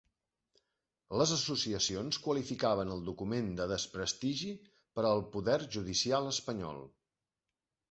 Les associacions qualificaven el document de desprestigi per al poder judicial espanyol.